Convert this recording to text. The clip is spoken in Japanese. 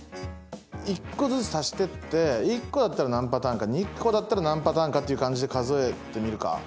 １個ずつ足してって１個だったら何パターンか２個だったら何パターンかっていう感じで数えてみるか。